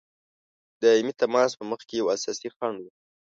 دایمي تماس په مخکي یو اساسي خنډ وو.